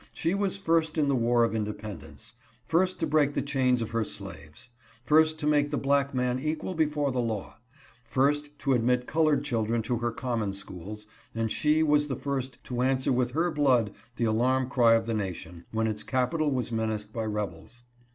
She was first in the War of Independ ence ; first to break the chains of her slaves ; first to make the black man equal before the law; first to admit colored children to her com mon schools, and she was first to answer with her blood the alarm cry of the nation, when its capital was menaced by rebels.